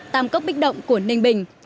tàm cốc bích động của ninh bình